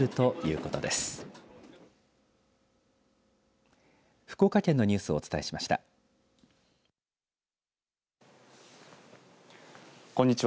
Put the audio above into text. こんにちは。